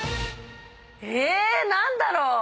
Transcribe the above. え⁉何だろう？